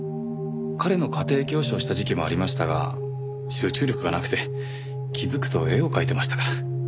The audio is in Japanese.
彼の家庭教師をした時期もありましたが集中力がなくて気づくと絵を描いてましたから。